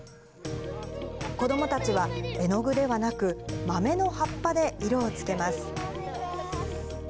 子どもたちは絵の具ではなく、豆の葉っぱで色をつけます。